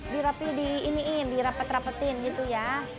dirapiin di iniin dirapet rapetin gitu ya